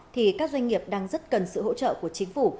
thì các doanh nghiệp đang rất cần sự hỗ trợ của chính phủ